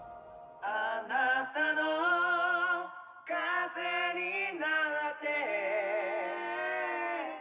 「あなたの風になって」